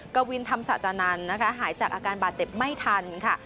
กวินธรรมศาจานันทร์นะคะหายจากอาการบาดเจ็บไม่ทันค่ะ